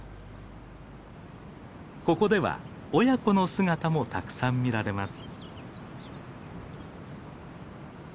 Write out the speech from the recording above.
ここでは親子の姿もたくさん見られます。